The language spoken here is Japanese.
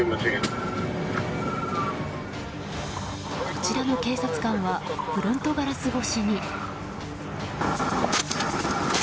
こちらの警察官はフロントガラス越しに。